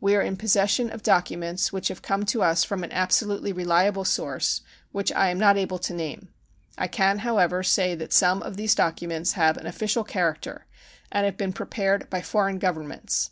We are in pos session of documents which have come to us from an absolutely reliable source, which I am not able to name. I can, however, say that some of these documents have an official character and have been prepared by foreign Governments.